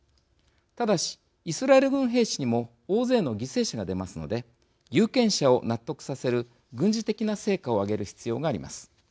ただし、イスラエル軍兵士にも大勢の犠牲者が出ますので有権者を納得させる軍事的な成果を上げる必要があります。